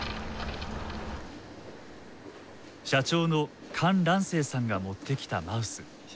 社長の韓藍青さんが持ってきたマウス。